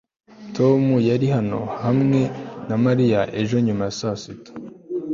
tom yari hano hamwe na mariya ejo nyuma ya saa sita